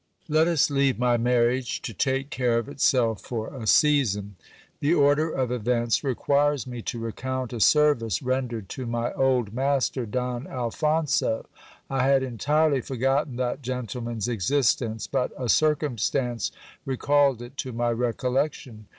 Let us leave my marriage to take care of itself for a season. The order of events requires me to recount a service rendered to my old master Don Al phonso. I had entirely forgotten that gentleman's existence; but a circum stance recalled it to my recollection.